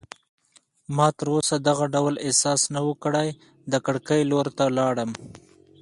ما تراوسه دغه ډول احساس نه و کړی، د کړکۍ لور ته ولاړم.